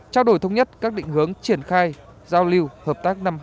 trao đổi thống nhất các định hướng triển khai giao lưu hợp tác năm hai nghìn hai mươi